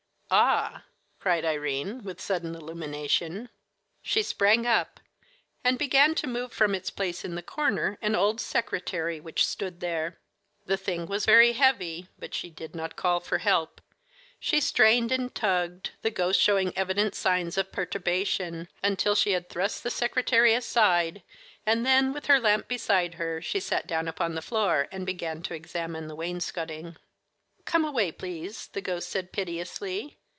"Ah!" cried Irene, with sudden illumination. She sprang up, and began to move from its place in the corner an old secretary which stood there. The thing was very heavy, but she did not call for help. She strained and tugged, the ghost showing evident signs of perturbation, until she had thrust the secretary aside, and then with her lamp beside her she sat down upon the floor and began to examine the wainscoting. "Come away, please," the ghost said piteously.